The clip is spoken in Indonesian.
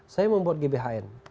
saya mau buat gbhn